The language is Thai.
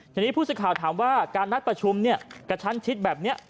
ทีนี้ผู้สิทธิ์ข่าวถามว่าการนัดประชุมเนี่ยกับชั้นชิดแบบเนี่ย